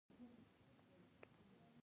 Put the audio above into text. دېوان د شاعر د کلام مجموعه ده.